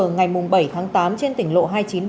ngày bảy tháng tám trên tỉnh lộ hai trăm chín mươi bảy